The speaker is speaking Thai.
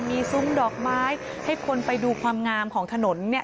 มีซุ้มดอกไม้ให้คนไปดูความงามของถนนเนี่ย